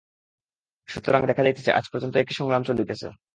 সুতরাং দেখা যাইতেছে, আজ পর্যন্ত একই সংগ্রাম চলিতেছে।